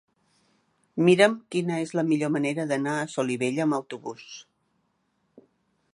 Mira'm quina és la millor manera d'anar a Solivella amb autobús.